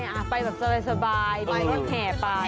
ตอนไปไปสบายแทบแหไป